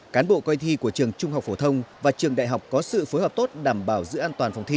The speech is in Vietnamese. cán bộ coi thi của trường trung học phổ thông và trường đại học có sự phối hợp tốt đảm bảo giữ an toàn phòng thi